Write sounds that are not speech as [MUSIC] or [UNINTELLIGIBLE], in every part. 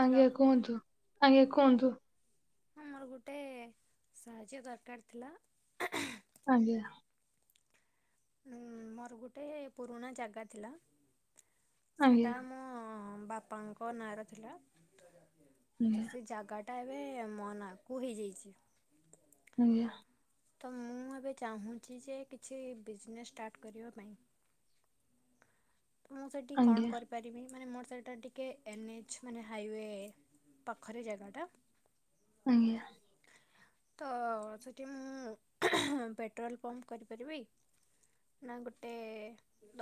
Hello ଆଜ୍ଞା କୁହନ୍ତୁ? ଆଜ୍ଞା କୁହନ୍ତୁ? ହଁ ମୋର ଗୋଟେ ସାହାଯ୍ୟ ଦରକାର ଥିଲା? ଆଜ୍ଞା। ଉ ମୋର ଗୋଟେ ପୁରୁଣା ଜାଗା ଥିଲା। ଆଜ୍ଞା ସେଟା ମୋ ବାପାଙ୍କ ନାଁରେ ଥିଲା। ତ ଆଜ୍ଞା ସେ ଜାଗା ଟା, ଏବେ ମୋ ନା କୁ ହେଇଯାଇଛି। ଆଜ୍ଞା। ତ ମୁଁ ଏବେ ଚାହୁଁଛି ଯେ କିଛି ବିଜନେସ୍ ଷ୍ଟାର୍ଟ କରିବା ପାଇଁ? ତ ମୁଁ ସେଇଠି କଣ ଆଜ୍ଞା କରିପାରିବି? ମାନେ ମୋର ସେଇଟା ଟିକେ ଏନ୍ଏଚ୍ ମାନେ ହାଇୱେ ପାଖରେ ଜାଗାଟା। ଆଜ୍ଞା। ତ ସେଠି ମୁଁ ପେଟ୍ରୋଲ୍ ପମ୍ପ କରିପାରିବି? ନା ଗୋଟେ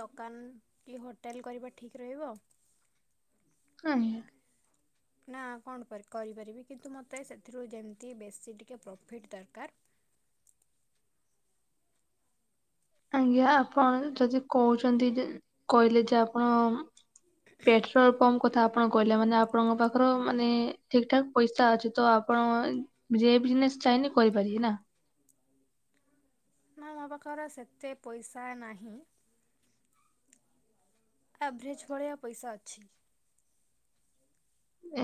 ଦୋକାନ କି ହୋଟେଲ କରିବା ଠିକ୍ ରହିବ? କାଇଁ। ନା କଣ କରିପାରିବି, କିନ୍ତୁ ମୋତେ ସେଥିରୁ ଯେମିତି ବେଶୀ ଟିକେ ପ୍ରଫିଟ୍ ଦରକାର ଆଜ୍ଞା ଆପଣ ଯଦି କହୁଛନ୍ତି ଯେ, କହିଲେ ଯେ ଆପଣ ପେଟ୍ରୋଲ ପମ୍ପ କଥା ଆପଣ କହିଲେ ମାନେ, ଆପଣଙ୍କ ପାଖର ମାନେ ଠିକ୍ ଠାକ୍ ପଇସା ଅଛି। ତ ଆପଣ ଯେ ବିଜିନେସ୍ ଚାହିଁନେ କରିପାରିବି ନା? ନା ମୋ ପାଖର ସେତେ ପଇସା ନାହିଁ। ଆଭରେଜ୍ ଭଳିଆ ପଇସା ଅଛି।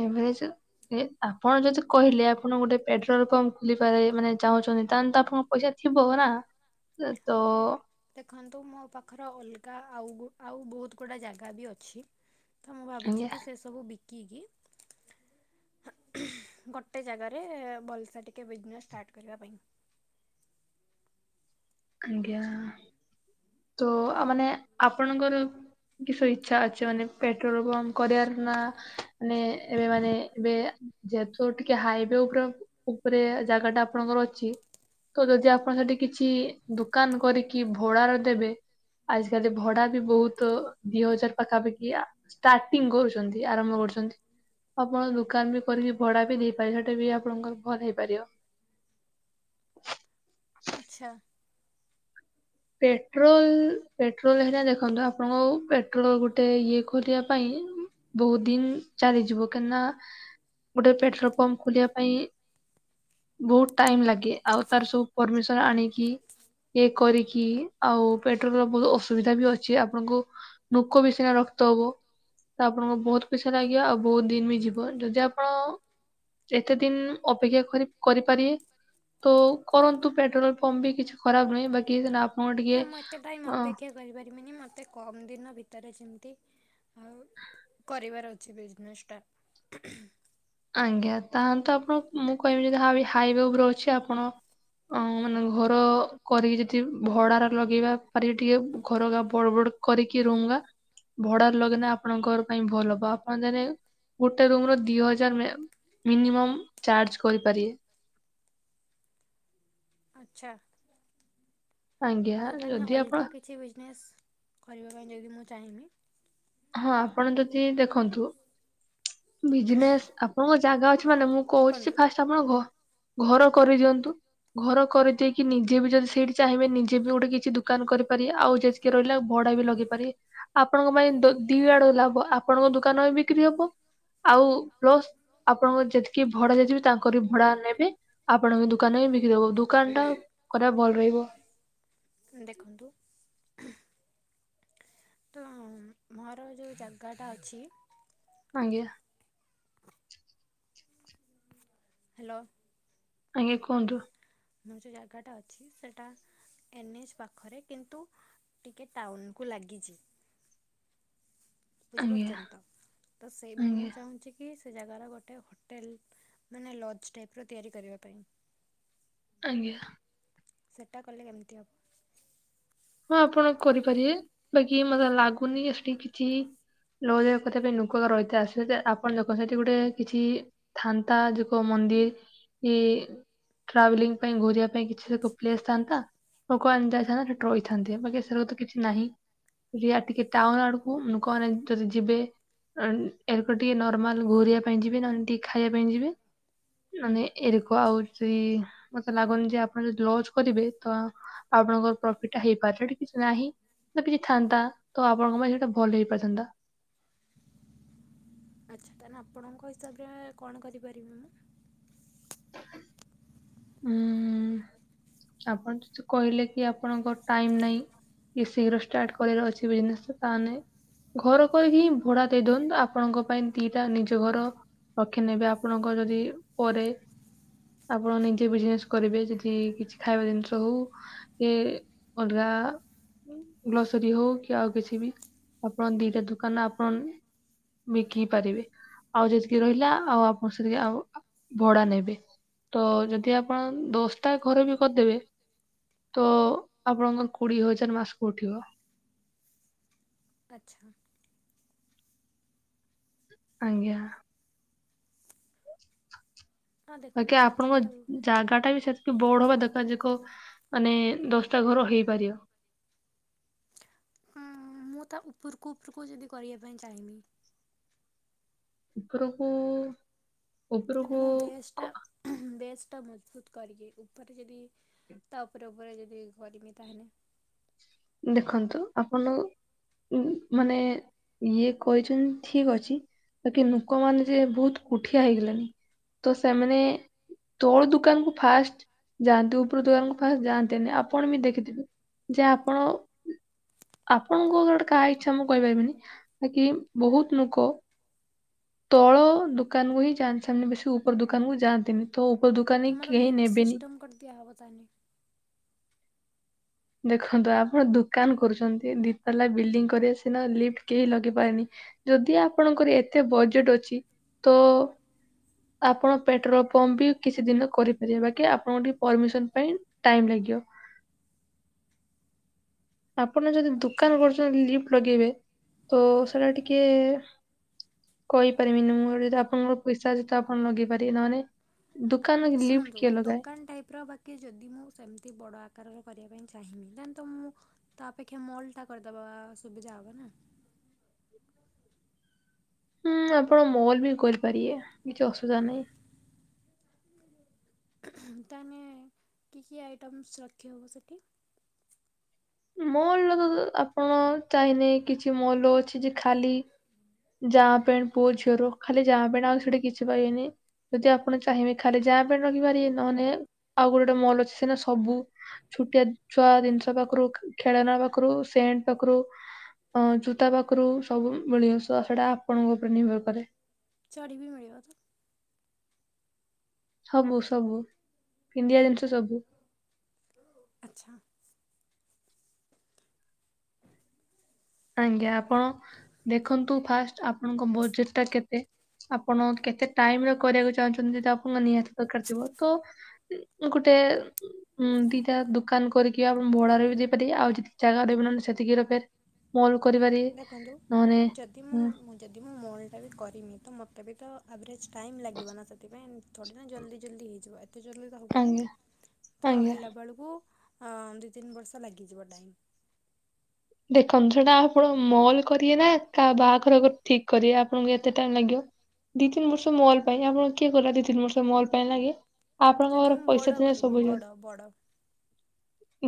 ଏଭରଜ୍? ଏ ଆପଣ ଯଦି କହିଲେ, ଆପଣ ଗୋଟେ ପେଟ୍ରୋଲ ପମ୍ପ ଖୋଲିପାରେ ମାନେ ଚାହୁଁଛନ୍ତି? ତାହେଲେ ଆପଣ ପଇସା ଥିବ ନା? ତ ଦେଖନ୍ତୁ, ମୋ ପାଖରେ ଅଲଗା ଆଉ, ଆଉ ବହୁତ ଗୁଡ଼ା ଜାଗା ବି ଅଛି। ତ ମୁଁ ଭାବୁଛି ଆଜ୍ଞା କି ସେ ସବୁ ବିକିକି ଗୋଟେ ଜାଗାରେ ଭଲସେ ଟିକେ ବିଜନେସ୍ ଷ୍ଟାର୍ଟ କରିବା ପାଇଁ ଆଜ୍ଞା। ତ ମାନେ ଆପଣଙ୍କର କିସ ଇଚ୍ଛା ଅଛି? ମାନେ ପେଟ୍ରୋଲ ପମ୍ପ କରିବାର ନା ମାନେ ଏବେ ମାନେ ଏବେ ଯେହତ ଟିକେ ହାଇୱେ ଉପରେ ଉପରେ ଜାଗା ଟା ଆପଣଙ୍କର ଅଛି। ତ ଯଦି ଆପଣ ସେଠି କିଛି ଦୁକାନ କରିକି ଭୋଡ ର ଦେବେ। ଆଜିକାଲି ଭଡା ବି ବହୁତ ଦିଇ ହଜାର ପାଖାପାଖି ଆ ଷ୍ଟାର୍ଟିଂ କରୁଛନ୍ତି ଆରମ୍ଭ କରୁଛନ୍ତି। ଆପଣ ଦୋକାନ ବି କରିକି ଭଡା ବି ଦେଇପାରିବ ସେଟା ବି ଆପଣଙ୍କର ଭଲ ହେଇପାରିବ। ଆଚ୍ଛା। ପେଟ୍ରୋଲ ପେଟ୍ରୋଲ ହେଇଟା ଦେଖନ୍ତୁ। ଆପଣଙ୍କ ପେଟ୍ରୋଲ ଗୋଟେ ଇଏ ଖୋଲିବା ପାଇଁ ବହୁତ ଦିନ ଚାଲିଯିବ କାହିଁନା ଗୋଟେ ପେଟ୍ରୋଲ ପମ୍ପ ଖୋଲିବା ପାଇଁ ବହୁତ ଟାଇମ ଲାଗେ ଆଉ ତାର ସବୁ ପରମିସନ ଆଣିକି ଇଏ କରି କି ଆଉ ପେଟ୍ରୋଲର ବହୁତ ଅସୁବିଧା ବି ଅଛି ଆପଣଙ୍କୁ ନୋକ ବି ସିନା ରକ୍ତ ହବ। ତ ଆପଣଙ୍କୁ ବହୁତ ପଇସା ଲାଗିବ ଆଉ ବହୁତ ଦିନ ବି ଯିବ ଯଦି ଆପଣ ଏତେ ଦିନ ଅପେକ୍ଷା କରି- କରିପାରିବେ। ତ କରନ୍ତୁ ପେଟ୍ରୋଲ ପମ୍ପ ବି କିଛି ଖରାପ ନୁହିଁ ବାକି ଆପଣ ଟିକେ ନା ମୁଁ ଏତେ ଟାଇମ୍ ଅ ଅପେକ୍ଷା କରିପାରିବିନି ମତେ କମ ଦିନ ଭିତରେ ଯେମିତି ମୁଁ କରିବାର ଅଛି ବିଜନେସ୍ ଟା। ଆଜ୍ଞା ତାହେଲେ ଆପଣ ମୁଁ କହିବି ଯଦି ହାଇୱେ ଉପରେ ଅଛି ଆପଣ ଆ ମାନେ ଘର କରିକି ଯଦି ଭଡ଼ାରେ ଲଗେଇବା ପାରିବେ ଟିକେ ଘରା ବଡ଼ ବଡ଼ କରେକ ରହୁଙ୍ଗ। ଭଡା ଲଗେନା ଆପଣଙ୍କର ପାଇଁ ଭଲ ହବ ଆପଣ ଜେ ଗୋଟେ ରୁମ ର ଦି ହଜାର ମିନିମ ଚାର୍ଜ କରିପାରିବେ। ଆଛା। ଆଉ ଆଜ୍ଞା ତାହାନେ ଯଦି ଆପଣ ଅଲଗା କିଛି ବିଜନେସ୍ କରିବା ପାଇଁ ଯଦି ମୁଁ ଚାହିଁବି। ହଁ ଆପଣ ଯଦି ଦେଖନ୍ତୁ ବିଜନେସ୍ ଆପଣଙ୍କ ଜାଗା ଅଛି ମାନେ ମୁଁ କହୁଛି ଦେଖନ୍ତୁ ଫା ଆପଣ ଘ ଘର କରିଦିଅନ୍ତୁ ଘର କରିଦେଇକି ନିଜେ ବି ଯଦି ସେଇଠି ଚାହିଁବେ ନିଜେ ବି ଗୋଟେ କିଛି ଦୋକାନ କରିାରି ଆଉ ଯେରହିଲେ ଭଡା ବି ଲଗି ପାରି ଆପଣଙ୍କ ପାଇଁ ଦି ଆଡୁ ଲାଭ ଆପଣଙ୍କ ଦୋକାନ ବି ବିକ୍ରି ହବ। ଆଉ ପ୍ଲସ୍ ଆପଣଙ୍କ ଯେତିକି ଭଡା ଦେଇଥିବେ ତାଙ୍କରି ଭଡା ନେବେ। ଆପଣଙ୍କ ଦୁୋକାନ ହ ବିକି ଦେବ ଦୁୋକାନ ଟା କଦା ଭଲ ରହିବ। ଦେଖନ୍ତୁ। ତ ମୋର ଯେଉଁ ଜାଗାଟା ଅଛି ଆଜ୍ଞା। ହ୍ୟାଲୋ। ଆଜ୍ଞା କୁହନ୍ତୁ। ଯେଉଁ ଜାଗାଟା ଅଛି ସେଇଟା ଏନ୍ଏଚ ପାଖରେ କିନ୍ତୁ ଟିକେ ଟାଉନ କୁ ଲାଗିଛି। ଆଜ୍ଞା ବୁଝିପାରୁଛନ୍ତି ତ ତ ସେଇ ମୁଁ ଆଜ୍ଞା ଚାହୁଁଛି କି କି ସେ ଜାଗାର ଗୋଟେ ହୋଟେଲ ମାନେ ଲଜ ଟାଇପ ର ତିଆରି କରିବା ପାଇଁ। ଆଜ୍ଞା। ସେଟା କଲେ କେମିତି ହେବ? ହଁ ଆପଣ କରିପାରିବେ ବାକି ମତେ ଲାଗୁନି ସେଠି କିଛି [UNINTELLIGIBLE] ଆପଣ ଦେଖ ସେଠି ଗୋଟେ କିଛି ଥାନ୍ତା ଯୋକ ମନ୍ଦିର ଇ ଟ୍ରାଭେଲିଂ ପାଇଁ ଘରିବା ପାଇଁ କିଛି ପ୍ଲେସ ଥାନ୍ତା ଲୋକାନ ଯାଇଥାନ୍ତା। ରହିଥାନ୍ତେ ବାକ ଏସ ତ କିଛି ନାହିଁ। ଟିକେ ଟାଉନ ଆଡକୁ ଲୁକ ମାନେ ଯଦି ଯିବେ। ଏରକ ଟିକେ ନର୍ମାଲ ଘୋରିବା ପାଇଁ ଯିବେ ନହେଲେ ଟିକେ ଖାଇବା ପାଇଁ ଯିବେ। ମାନେ ଏରକୁ ଆଉଛି ମତେ ଲାଗୁନି ଯେ ଆପଣ ଯଦି ଲଜ କରିବେ ତ ଆପଣଙ୍କ ପ୍ରଫିଟ ଟା ହେଇପାରନ୍ତା ସେ କିଛି ନାହିଁ ତ କିଛି ଥାନ୍ତା ତ ଆପଣଙ୍କ ପାଇଁ ସେଇଟା ଭଲ ହେଇପାରିଥାନ୍ତା। ଆଚ୍ଛା ତାହେଲେ ଆପଣଙ୍କ ହିସାବରେ କଣ କରିପାରିବି ମୁଁ? ହୁଁ ଆପଣ ତ କହିଲେ କି ଆପଣଙ୍କ ଟାଇମ ନାହିଁ। କି ଶୀଘ୍ର ଷ୍ଟାର୍ଟ କର ଅଛି ବିଜନେସ୍ ତାହେଲେ ଘର କହିକି ହିଁ ଭଡା ଦେଇ ଦିଅନ୍ ଆପଣଙ୍କ ପାଇଁ ଦିଟା ନିଜ ଘର ରଖିନେବେ ଆପଣଙ୍କ ଯଦି ପରେ ଆପଣ ନେଇ ସେ ବିଜନେସ କରିବେ ଯଦି କିଛି ଖାଇବା ଜିନିଷ ହଉ କେ ଅଲଗା ଗ୍ରସରୀ ହଉ କି ଆଉ କିଛି ବି ଆପଣ ଦିଟା ଦୋକାନ ଆପଣ ବିକି ପାରିବେ ଆଉ ଯେତିକି ରହିଲା ଆଉ ଆପଣ ସେତିକି ଆଉ ଭଡା ନେବେ। ତ ଯଦି ଆପଣ ଦଶଟା ଘର ବି କରିଦେବେ ତ ଆପଣଙ୍କ ମ କୋଡିଏ ହଜାର ମାସକୁ ଉଠିବ। ଆଚ୍ଛା। ଆଜ୍ଞା। ହଁ ଦେଖନ୍ତୁ ବାକି ଆଜିକାଲି ଆଉ ଆପଣଙ୍କ ଜାଗା ଟା ବି ସେତିକି ବୋଡ ହବା ଦରକାର ଦେଖ ମାନେ ଦଶଟା ଘର ହେଇପାରିବ। ହଁ ମୁଁ ତା ଉପରକୁ ଉପରକୁ ଯଦି କରିବା ପାଇଁ ଚାହିଁବି ଉପରକୁ ଯଦି ଉପରକୁ ମୁଁ ବେସ୍ ଟା କ- ବେସ୍ ଟା ମଜବୁତ କରିକି ଉପରେ ଯଦି ତା ଉପରେ ଉପରେ ଯଦି କରିମି ତାହେଲେ ଦେଖନ୍ତୁ ଆପଣ ଉ ମାନେ ଇଏ କହିଚନ୍ତି ଠିକ ଅଛି। ବାକି ଲୁକମାନେ ଯେ ବହୁତ କୁଠିଆ ହେଇଗଲେଣି ତ ସେମାନେ ତଳ ଦୂକାନକୁ ଫାଷ୍ଟ ଯାଆନ୍ତି ଉପରୁ ଦୁଆରୁଙ୍କୁ ଫାଷ୍ଟ ଯାଆନ୍ତିନି ଆପଣ ବି ଦେଖିଥିବେ ଯେ ଆପଣ ଆପଣଙ୍କ ଗୋଟେ କାହା ଇଚ୍ଛା ମୁଁ କହିପାରିବିନି ବାକି ବହୁତ ନୋକ ତଳ ଦୋକାନକୁ ହିଁ ଯାଆନ୍ତି ସେମିତି ବେଶୀ ଉପର ଦୋକାନ କୁ ଯାଆନ୍ତିନି। ତ ଉପର ଦୋକାନରେ କେହି ନେବେନି। [UNINTELLIGIBLE] ଦିଆ ହେବ ତାହେଲେ। ଦେଖନ୍ତୁ ଆପଣ ଦୋକାନ କରୁଛନ୍ତି ଦିିତଲା ବିଲ୍ଡିଂ କରିବ ସିନା ଲିଫ୍ଟ କିଏ ଲଗେଇ ପାରେନି। ଯଦି ଆପଣଙ୍କର ଏତେ ବଜେଟ ଅଛି ତ ଆପଣ ପେଟ୍ରୋଲ ପମ୍ପ ବି କିଛି ଦିନ କରିପାରିବେ ବାକି ଆପଣଙ୍କୁ ଟିକେ ପରମିସନ ପାଇଁ ଟାଇମ୍ ଲାଗିବ। ଆପଣ ଯଦି ଆଚ୍ଛା। ଦୋକାନ କରଚନ୍ତି ଲିଫ୍ଟ ଲଗେଇବେ ତ ସେଟା ଟିକେ କହିପାରିବିନି ମୁଁ ଯଦି ଆପଣଙ୍କର ପଇସା ଅଛି ତ ଆପଣ ଲଗେଇ ପାରିବେ ନହଲେ ଆ ଶୁଣନ୍ତୁ ଦୋକାନ ଟାଇପ ର ବା କି ଯଦି ମୁଁ ସେମିତି ବଡ଼ ଆକାରର କରିବା ପାଇଁ ଚାହିଁବି ତାନ୍ ତ ମୁଁ ତା ଅପେକ୍ଷ୍ୟା ମଲଟା କରଦେବା ସୁବିଧା ହେବ ନା। ହୁଁ ଆପଣ ମଲ୍ ବି କରିପାରିବେ କିଛି ଅସୁବିଧା ନାହିଁ। ତାହେନେ କି କି ଆଇଟମ୍ସ୍ ରକ୍ଷି ହେବ ସେଇଠି? ମଲର ତ ଆପଣ ଚାହିଁଲେ କିଛି ମଲ୍ ଅଛି ଯେ ଖାଲି ଯାଁ ପେଣ୍ଟ ପୁଅ ଝିଅର ଖାଲି ଯାଆ ପେଣ୍ଟ ଆଉ ସେଠି କିଛି ପାଇବେନି। ଯଦି ଆପଣ ଚାହିଁବେ ଖାଲି ଯାହା ପେଣ୍ଟ ରଖିପାରିବେ ନହେଲେ ଆଉ ଗୋଟେ ଗୋଟେ ମଲ ଅଛି ସିନା ସବୁ ଛୁଟିଆ ଛୁଆ ଜିନିଷ ପାଖରୁ ଖେଳନା ପାଖରୁ ସେଣ୍ଟ ପାଖରୁ ଅ ଜୋତା ପାଖରୁ ସବୁ ମିଳିିବ ସ - ସେଟା ଆପଣଙ୍କ ଉପରେ ନିର୍ଭର କରେ। ଚଡ଼ିବି ବି ମିଳିବ ତ? ସବୁ ସବୁ ପିନ୍ଧିବା ଜିନିଷ ସବୁ। ଆଚ୍ଛା। ଆଜ୍ଞା ଆପଣ ଦେଖନ୍ତୁ ଫାଷ୍ଟ ଆପଣଙ୍କ ବଜେଟ ଟା କେତେ? ଆପଣ କେତେ ଟାଇମରେ କରିବାକୁ ଚାହୁଁଛନ୍ତି ଆପଣଙ୍କ ନିହାତି ଦରକାର ଥିବ ତ ଗୋଟେ ଦିଟା ଦୋକାନ କରିକି ଆପଣ ଭଡାରେ ବି ଦେଇପାରିବେ ଆଉ ଯେତିକ ଜାଗାରେ ବିନ ନହେଲେ ସେତିକି ରେ ଫେର୍ ମୋର କରିବାରେ ଇଏ। ଦେଖନ୍ତୁ ଯଦି ମୁଁ-ଉ-ଉ ମୁଁ ଯଦି ମୁଁ ମଲ୍ ଟା ବି କରିନି ତ ମୋତେ ବି ତ ଆଭରେଜ୍ ଟାଇମ୍ ଲାଗିବ ନା ସେଥିପାଇଁ। ଥୋଡ଼ିନା ଜଲ୍ଦି ଜଲ୍ଦି ହେଇଯିବ ଏତେ ଜଲ୍ଦି ତ ହବନି ଆଜ୍ଞା ନା ତ ଆଜ୍ଞା। ହେଲା ବେଳକୁ ହଁ ଦି ତିନି ବର୍ଷ ଲାଗିଯିବ ଟାଇମ୍। ଦେଖନ୍ତୁ ସେଟା ଆପଣ ମଲ୍ କରୀବେ ନା କା ବାହାଘର ଗୋ ଠିକ କରିବେ ଆପଣଙ୍କୁ ଏତେ ଟାଇମ ଲାଗିବ। ଦି ତିିନି ବର୍ଷ ମଲ୍ ପାଇଁ, ଆପଣଙ୍କୁ କିଏ କହିଲା ଦି ତିିନି ବର୍ଷ ମଲ୍ ପାଇଁ ଲାଗେ? ଆପଣଙ୍କ ଯଦି ପାଖରେ ମୁଁ ପଇସା ବଡ଼ ଥିଲେ କରିମି ସବୁ ହେଇ ବଡ଼ [UNINTELLIGIBLE] ବଡ଼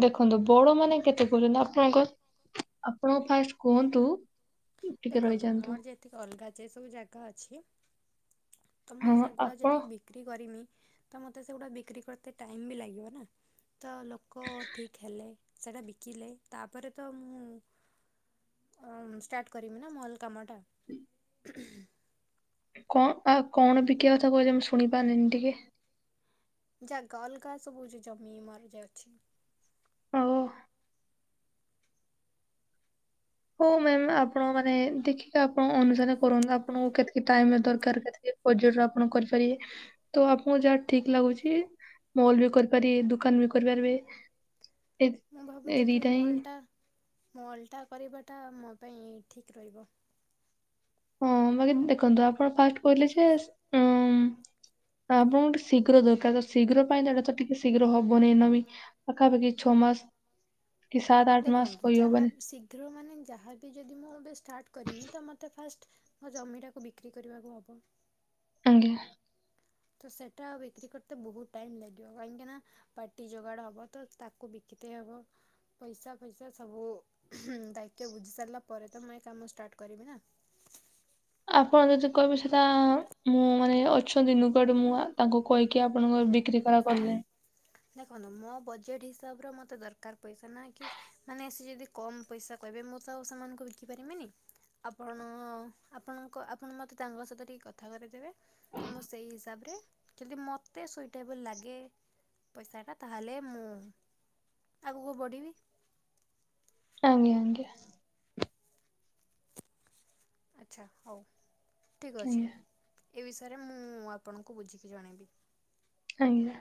ଦେଖନ୍ତୁ ବଡ ମାନେ କେତେ ଗଲୁନ ଆପଣଙ୍କ ଆପଣ ଙ୍କୁ ଫାଷ୍ଟ କୁହନ୍ତୁ ଟିକେ ଦେଖନ୍ତୁ ରହିଯାଆନ୍ତୁ। ମୋର ଯେ ଏତିକି ଅଲଗା ଯେ ସବୁ ଜାଗା ଅଛି ତ ମୁଁ ହଁ ସେଗୁଡା ଆପଣ ଯଦି ବିକ୍ରି କରିମି ତ ମତେ ସେଗୁଡା ବିକ୍ରି କରତେ ଟାଇମ ବି ଲାଗିବ ନା। ତ ଲୋକ ଠିକ୍ ହେଲେ, ସେଇଟା ବିକିଲେ, ତାପରେ ତ ମୁଁ ଅ-ଅ ଷ୍ଟାର୍ଟ କରମି ନା ମଲ୍ କାମ ଟା। କଣ ଆଉ କଣ ବିକି କଥା କହୁଛ ମୁଁ ଶୁଣି ପାରିଲିନି ଟିକେ। ଜାଗା ଅଲଗା ସବୁ ଅଛି ଜମି ମୋର ଯା ଅଛି। ଆଉ ହଉ ମ୍ୟାମ୍ ଆପଣ ମାନେ ଦେଖିକି ଆପଣ ଅନୁସାରେ କରନ୍ତୁ ଆପଣଙ୍କୁ କେତିକି ଟାଇମ ଦରକାର କେତିକି ପର୍ଯ୍ୟଟନ ଆପଣ କରିପାରିବେ ତ ଆପଣଙ୍କୁ ଯାହା ଠିକ ଲାଗୁଛି ମଲ୍ ବି କରିପାରିବେ ଦୋକାନ ବି କରିପାରିବେ ଏ ମୁଁ ଏ ଭାବୁଛି କି ଦିଟା ହିଁ ମଲ୍ଲ ଟା ମଲ୍ଲ ଟା କରିବାଟା ମୋ ପାଇଁ ଠିକ୍ ରହିବ। ହଁ ବାକି ଦେଖନ୍ତୁ ଆପଣ ଫାଷ୍ଟ କହିଲେ ଯେ ଉ-ଉ ତ ଆପଣଙ୍କୁ ଟିକେ ଶୀଘ୍ର ଦରକାର ତ ଶୀଘ୍ର ପାଇଁ ତ ଏଇଟା ତ ଟିକେ ଶୀଘ୍ର ହବନି ନାମି ପାଖା ପାଖି ଛଅ ମାସ କି ସାତ ଆଠ ମାସ କହିହବନି। ସେଥିରୁ ମାନେ ଯାହାବି ଯଦି ମୁଁ ଏବେ ଷ୍ଟାର୍ଟ କରିମି ତ ମୋତେ ଫାଷ୍ଟ ମୋ ଜମିଟାକୁ ବିକ୍ରି କରିବାକୁ ହବ। ଆଜ୍ଞା, ତ ସେଇଟା ବିକ୍ରି କରତେ ବହୁତ ଟାଇମ୍ ଲାଗିବ କାହିଁକିନା ପାର୍ଟି ଯୋଗାଡ଼ ହବ ତ ତାକୁ ବିକିତେ ହବ ପଇସା ଫଇସା ସବୁ ହୁଁ ଦାୟିତ୍ୱ ବୁଝି ସାରିଲା ପରେ ତ ମୁଁ ଏ କାମ ଷ୍ଟାର୍ଟ କରିବି ନା। ଆପଣ ଯଦି କହିବେ ସେଟା ମୁଁ ମାନେ ଅଛନ୍ତି ନୁଗାଡୁ ମୁଁ ତାଙ୍କୁ କହିକି ଆପଣଙ୍କର ବିକ୍ରି କାଳେ କରିଦେ ଦେଖନ୍ତୁ ମୋ ବଜେଟ୍ ହିସାବରେ ମତେ ଦରକାର ପଇସା ନା କି ମାନେ ସେ ଯଦି କମ ପଇସା କହିବେ ମୁଁ ତ ଆଉ ସେମାନଙ୍କୁ ବିକି ପାରିବିନି। ଆପଣ ଆପଣଙ୍କ ଆପଣ ମତେ ତାଙ୍କ ସହିତ ଟିକେ କଥା କରେଇଦେବେ। ତ ମୁଁ ସେଇ ହିସାବରେ ଯଦି ମତେ ସୁଇଟେବଲ ଲାଗେ ପଇସାଟା ତାହେଲେ ମୁଁ ଆଗକୁ ବଢ଼ିବି। ଆଜ୍ଞା, ଆଜ୍ଞା। ଆଚ୍ଛା ହଉ, ଠିକ ଅଛି। ଆଜ୍ଞା ଏ ବିଷୟରେ ମୁଁ-ଉ-ଉ-ଉ ଆପଣଙ୍କୁ ବୁଝିକି ଜଣେଇବି। ଆଜ୍ଞା,